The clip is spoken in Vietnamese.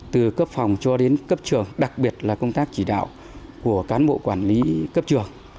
từ cấp phòng cho đến cấp trường đặc biệt là công tác chỉ đạo của cán bộ quản lý cấp trường